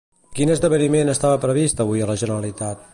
Quin esdeveniment estava previst avui a la Generalitat?